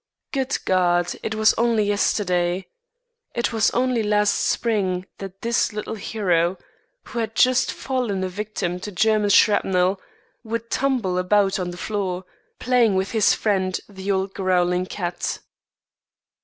Good God, it was only yesterday! It was only last spring that this little hero, who has just fallen a victim to German shrapnel, would tumble about on the floor, playing with his friend, the old growling cat.